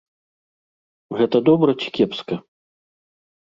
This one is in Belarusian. Гэта добра ці кепска?